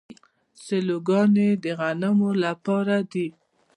سیلوګانې د غنمو لپاره دي.